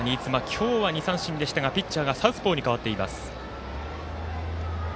今日は２三振でしたがピッチャーが、サウスポーに代わっています。